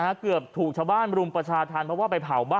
เมื่อที่เกิดอะไรขึ้นละบ้ายมาเลยเสบอะไรไปอหรือเสบ